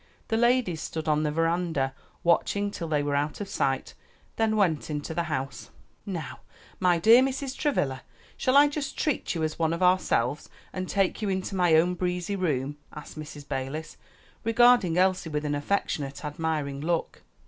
The ladies stood on the veranda, watching till they were out of sight, then went into the house. "Now, my dear Mrs. Travilla, shall I just treat you as one of ourselves, and take you into my own breezy room?" asked Mrs. Balis, regarding Elsie with an affectionate, admiring look.